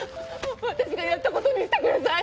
私がやった事にしてください！